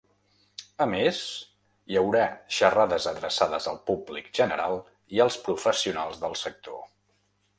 A més, hi haurà xerrades adreçades al públic general i als professionals del sector.